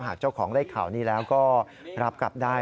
เจ้าของได้ข่าวนี้แล้วก็รับกลับได้